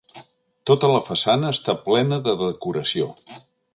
Tota la façana està plena de decoració.